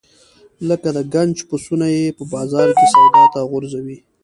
لکه د ګنج پسونه یې په بازار کې سودا ته غورځوي.